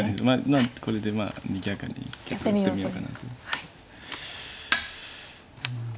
まあこれでにぎやかにやってみようかなと。